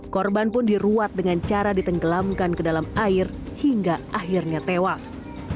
korban pun diruat dengan cara ditenggelamkan ke dalam air hingga akhirnya tewas